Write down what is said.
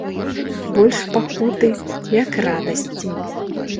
Больш пакуты, як радасці.